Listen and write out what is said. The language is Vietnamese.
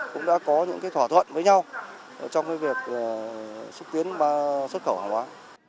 cũng đã có những thỏa thuận với nhau trong việc xúc tiến xuất khẩu hàng hóa